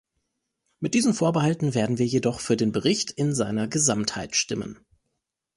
Mit diesen Vorbehalten werden wir jedoch für den Bericht in seiner Gesamtheit stimmen.